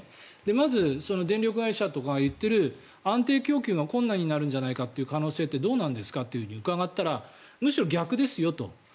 まず、電力会社とかが言っている安定供給が困難になるんじゃないかという可能性ってどうなんですかって伺ったんですがむしろ逆ですよと。